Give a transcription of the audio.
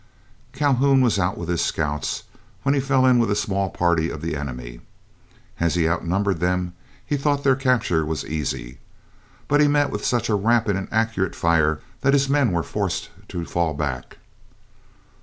Calhoun was out with his scouts when he fell in with a small party of the enemy. As he outnumbered them, he thought their capture was easy. But he was met with such a rapid and accurate fire that his men were forced to fall back.